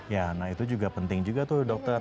ya nah itu juga penting juga tuh dokter